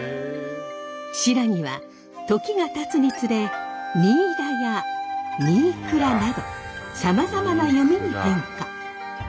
新羅は時がたつにつれ「にいら」や「にいくら」などさまざまな読みに変化。